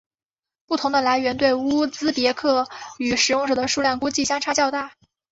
不同的来源对乌兹别克语使用者的数量估计相差较大。